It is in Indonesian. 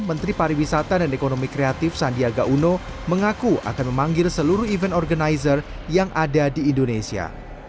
menteri pariwisata dan ekonomi kreatif sandiaga uno mengaku akan memanggil seluruh event organizer yang ada di indonesia